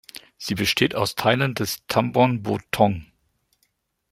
Sie besteht aus Teilen des Tambon Bo Thong.